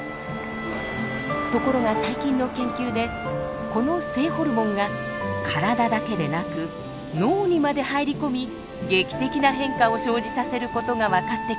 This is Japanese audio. ところが最近の研究でこの性ホルモンが体だけでなく脳にまで入り込み劇的な変化を生じさせる事が分かってきました。